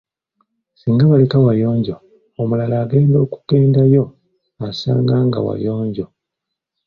Singa baleka wayonjo, omulala agenda okugendayo asanga nga wayonjo.